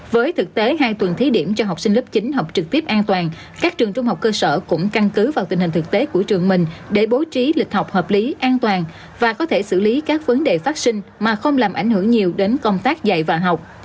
với thực tế hai tuần thí điểm cho học sinh lớp chín học trực tiếp an toàn các trường trung học cơ sở cũng căn cứ vào tình hình thực tế của trường mình để bố trí lịch học hợp lý an toàn và có thể xử lý các vấn đề phát sinh mà không làm ảnh hưởng nhiều đến công tác dạy và học